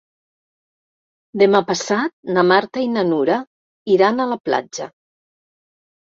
Demà passat na Marta i na Nura iran a la platja.